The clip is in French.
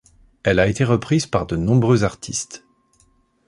Elle a été reprise par de nombreux artistes.